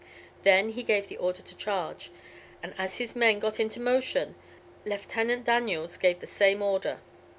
Then he gave the order to charge, and as his men got into motion, Lieutenant Daniels gave the same order.